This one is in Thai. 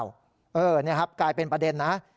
นี่ครับกลายเป็นประเด็นนะ